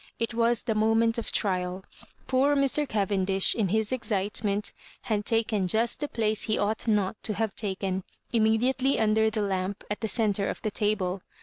It was the moment of trial '♦Poor Mr. Caven dish, in his excitement, had taken just the place he ought not to have taken, immediately under the lamp at the centre of the table.